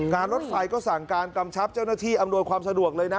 รถไฟก็สั่งการกำชับเจ้าหน้าที่อำนวยความสะดวกเลยนะ